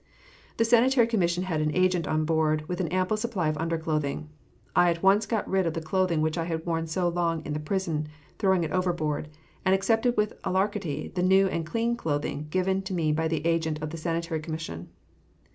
The Sanitary Commission had an agent on board, with an ample supply of underclothing. I at once got rid of the clothing which I had worn so long in the prison, throwing it overboard, and accepted with alacrity the new and clean clothing given me by the agent of the Sanitary Commission.